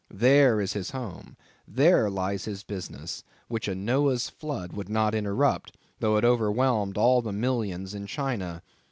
There is his home; there lies his business, which a Noah's flood would not interrupt, though it overwhelmed all the millions in China.